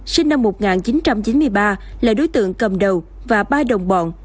sinh năm một nghìn chín trăm chín mươi ba là đối tượng cầm đầu và ba đồng bọn